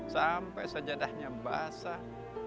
sampai sajadahnya basah